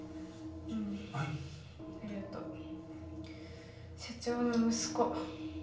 うんありがとうはい社長の息子